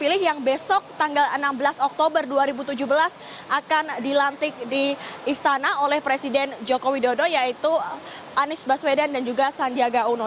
pilih yang besok tanggal enam belas oktober dua ribu tujuh belas akan dilantik di istana oleh presiden joko widodo yaitu anies baswedan dan juga sandiaga uno